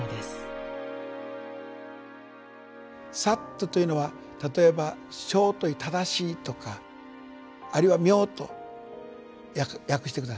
「サッ」というのは例えば「正」という正しいとかあるいは「妙」と訳して下さった。